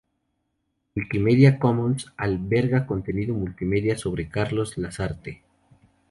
Wikimedia Commons alberga contenido multimedia sobre Carlos Lasarte.